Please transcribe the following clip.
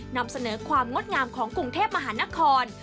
นำเสนอความงดงามของกรุงเทพมหานคร